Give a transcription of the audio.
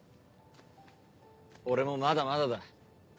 俺もまだまだだ。